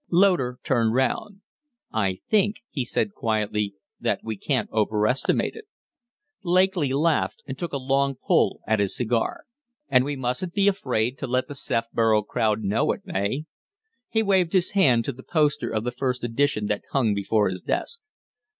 Loder turned round. "I think," he said, quietly, "that we can't overestimate it." Lakely laughed and took a long pull at his cigar. "And we mustn't be afraid to let the Sefborough crowd know it, eh?" He waved his hand to the poster of the first edition that hung before his desk.